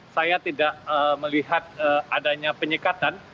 saya tidak melihat adanya penyekatan